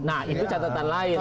nah itu catatan lain